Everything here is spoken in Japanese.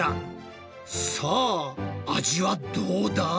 さあ味はどうだ？